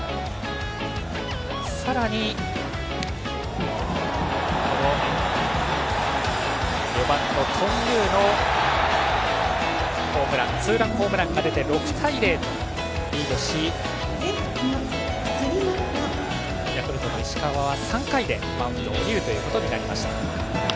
さらに４番の頓宮のツーランホームランが出て６対０とリードしヤクルトの石川は３回でマウンド降りることになりました。